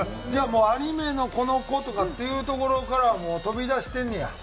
じゃあもうアニメのこの子とかっていうところからもう飛び出してんねや。